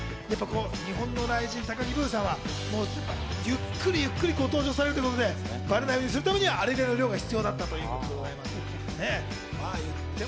日本の雷神・高木ブーさんは、ゆっくりゆっくりご登場されるということで、バレないようにするためにあれぐらいの量が必要だったということです。